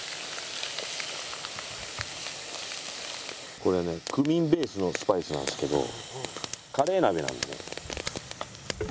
これねクミンベースのスパイスなんですけどカレー鍋なんでね。